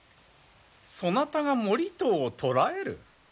そなたが盛遠を捕らえる？